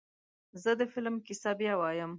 زه د فلم کیسه بیا وایم.